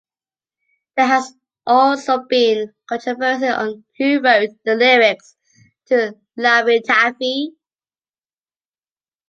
There has also been controversy on who wrote the lyrics to "Laffy Taffy".